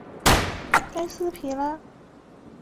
埃斯皮拉。